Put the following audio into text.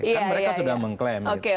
kan mereka sudah mengklaim